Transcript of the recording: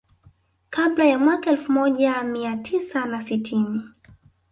Kabla ya mwaka elfu moja mia tisa na sitini